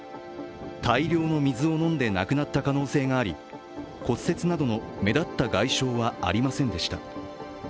大量の水を飲んで亡くなった可能性があり、骨折などの目立った外傷はありませんでした。